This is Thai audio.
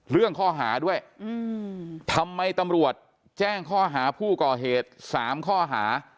เรื่องข้อหาด้วยทำไมตำรวจแจ้งข้อหาผู้ก่อเหตุ๓ข้อหา